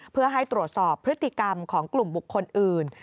เพื่อให้ตรวจสอบพฤติกรรมของกลุ่มบุคคลอื่น